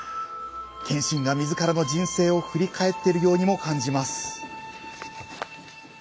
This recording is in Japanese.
謙信がみずからの人生を振り返っているようにも感じます。